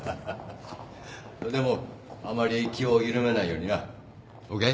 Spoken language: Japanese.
でもあまり気を緩めないようにな。ＯＫ？